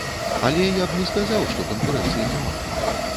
Але я б не сказаў, што канкурэнцыі няма.